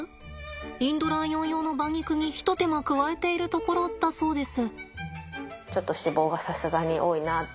インドライオン用の馬肉に一手間加えているところだそうです。